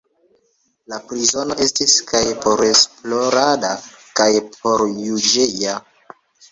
La prizono estis kaj poresplorada kaj porjuĝeja.